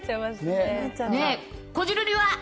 ねぇ、こじるりは？